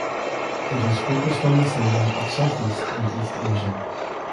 It is focused on the cinema of Southeast and East Asia.